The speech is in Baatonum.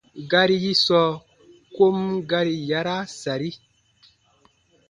Gari yi sɔɔ kom gari yaraa sari.